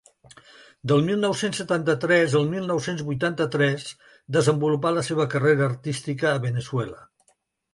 Del mil nou-cents setanta-tres al mil nou-cents vuitanta-tres desenvolupà la seva carrera artística a Veneçuela.